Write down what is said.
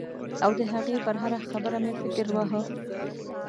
او د هغې پر هره خبره مې فکر واهه.